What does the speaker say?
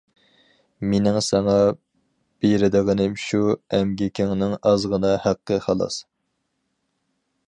مېنىڭ ساڭا بېرىدىغىنىم شۇ ئەمگىكىڭنىڭ ئازغىنا ھەققى خالاس.